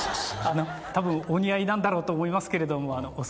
たぶんお似合いなんだろうと思いますけれども。